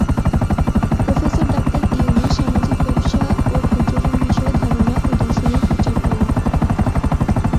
Professor doctor Yunus সামাজিক ব্যবসা ও ক্ষুদ্রঋণ বিষয়ে ধারণা ও দর্শনের প্রচার করে।